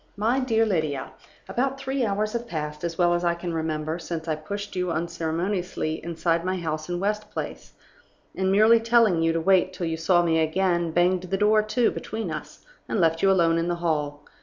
"MY DEAR LYDIA About three hours have passed, as well as I can remember, since I pushed you unceremoniously inside my house in West Place, and, merely telling you to wait till you saw me again, banged the door to between us, and left you alone in the hall.